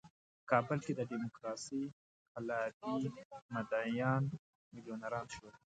په کابل کې د ډیموکراسۍ قلابي مدعیان میلیونران شول.